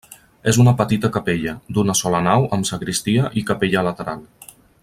És una petita capella, d'una sola nau amb sagristia i capella lateral.